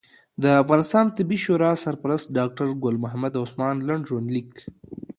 د افغانستان طبي شورا سرپرست ډاکټر ګل محمد عثمان لنډ ژوند لیک